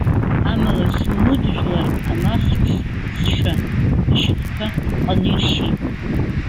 Амала Сумуд жәлар амахҽцша ашьапқәа ԥыҟҟаны иршьит.